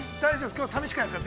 ◆寂しくないですか。